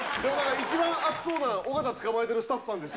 一番熱そうなの、尾形つかまえてるスタッフさんでした。